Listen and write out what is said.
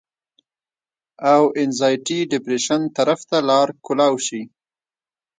او انزائټي ډپرېشن طرف ته لار کولاو شي